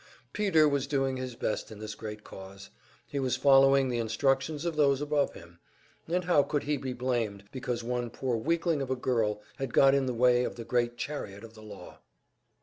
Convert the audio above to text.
Peter was doing his best in this great cause, he was following the instructions of those above him, and how could he be blamed because one poor weakling of a girl had got in the way of the great chariot of the law?